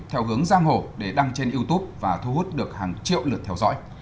theo hướng giang hồ để đăng trên youtube và thu hút được hàng triệu lượt theo dõi